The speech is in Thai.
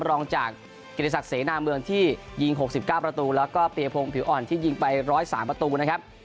รองจากเกรดิศักดิ์เสนาเมืองที่ยิงหกสิบเก้าประตูแล้วก็เปลี่ยงโพงผิวอ่อนที่ยิงไปร้อยสามประตูนะครับ